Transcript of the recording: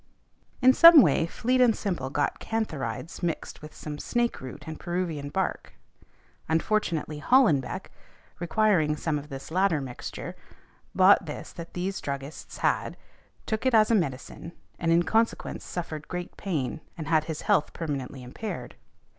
In some way Fleet and Simple got cantharides mixed with some snake root and Peruvian bark. Unfortunately Hollenbeck, requiring some of this latter mixture, bought this that these druggists had, took it as a medicine, and in consequence suffered great pain, and had his health permanently impaired.